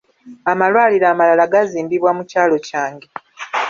Amalwaliro amalala gazimbibwa mu kyalo kyange.